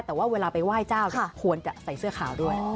แต่ว่าเวลาไปไหว้เจ้าควรจะใส่เสื้อขาวด้วย